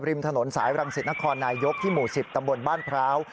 ริมถนนสายรังสิตนครนายกที่หมู่๑๐ตำบลบ้านพร้าว